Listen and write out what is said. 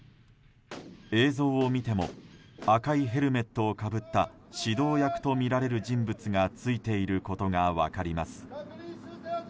映像を見ても赤いヘルメットをかぶった指導役とみられる人物がついていることが分かります。